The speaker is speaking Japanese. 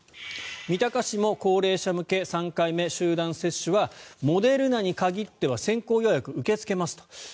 三鷹市も高齢者向け３回目集団接種はモデルナに限っては先行予約を受け付けますと。